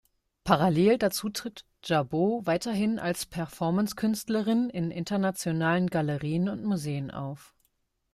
Parallel dazu tritt Jarboe weiterhin als Performancekünstlerin in internationalen Galerien und Museen auf.